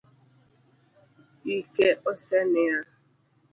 Ike oseniang'.